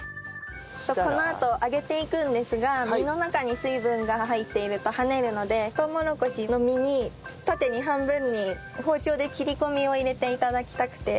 このあと揚げていくんですが実の中に水分が入っていると跳ねるのでとうもろこしの実に縦に半分に包丁で切り込みを入れて頂きたくて。